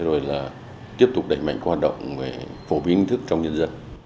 rồi là tiếp tục đẩy mạnh các hoạt động về phổ biến thức trong nhân dân